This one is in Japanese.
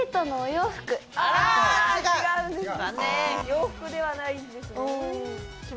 洋服ではないんですね。